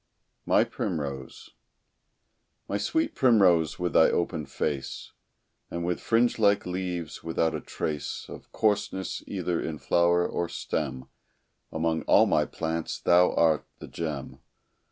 MY PRIMROSE My sweet primrose with thy open face, And with fringe like leaves, without a trace Of coarseness, either in flower or stem, Among all my plants thou art the gem.